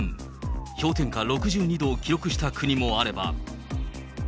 氷点下６２度を記録した国もあれば。